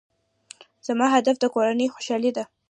زما هدف د کورنۍ خوشحالي ده.